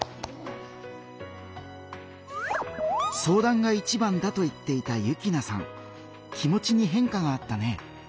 相談がいちばんだと言っていた幸那さん気持ちに変化があったね。